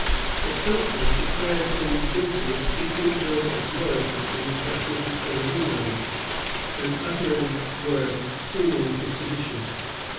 The council declared him guilty of speaking ill of royalty in the person of the King of England, and uttering words tending to sedition.